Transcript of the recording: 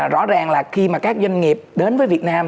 rõ ràng là khi mà các doanh nghiệp đến với việt nam